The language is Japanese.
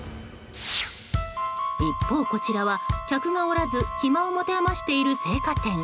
一方こちらは、客がおらず暇を持て余している青果店。